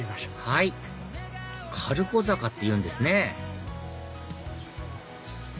はい軽子坂っていうんですね